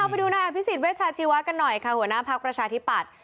เอาไปดูนะพิศิษฐ์เวชชาชีวะกันหน่อยค่ะหัวหน้าภักรประชาธิปัตธ์